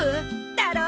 だろ？